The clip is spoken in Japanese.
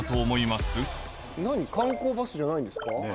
観光バスじゃないんですか？